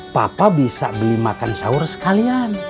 papa bisa beli makan sahur sekalian